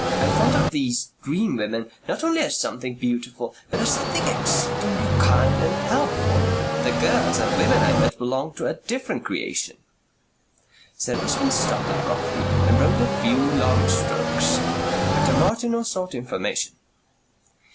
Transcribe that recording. I thought of these dream women not only as something beautiful but as something exceedingly kind and helpful. The girls and women I met belonged to a different creation...." Sir Richmond stopped abruptly and rowed a few long strokes. Dr. Martineau sought information.